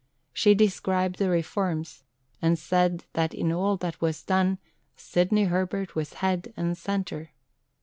She described the reforms, and said that in all that was done "Sidney Herbert was head and centre."